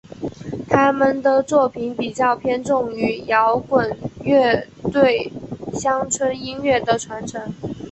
贾让是西汉著名水利家。